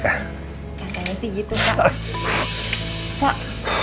katanya sih gitu pak